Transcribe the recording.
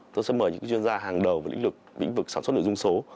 tôi sẽ mời những chuyên gia hàng đầu và lĩnh vực sản xuất nội dung số